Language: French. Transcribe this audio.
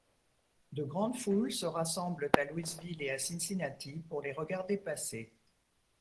De grandes foules se rassemblent à Louisville et à Cincinnati pour les regarder passer.